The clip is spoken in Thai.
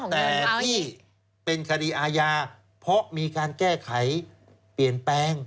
แต่ที่เป็นคดีอาญาเพราะมีการแก้ไขเปลี่ยนแปลง